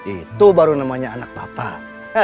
itu baru namanya anak bapak